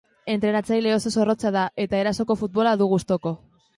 Entrenatzaile oso zorrotza da eta erasoko futbola du gustuko.